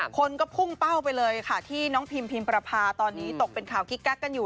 คนก็พุ่งเป้าไปเลยค่ะที่น้องพิมพิมประพาตอนนี้ตกเป็นข่าวกิ๊กกักกันอยู่